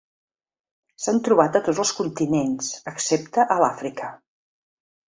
S'han trobat a tots els continents excepte a l'Àfrica.